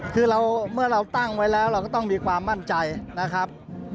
คือเมื่อเราตั้งไว้แล้วเราก็ต้องมีความมั่นใจนะครับ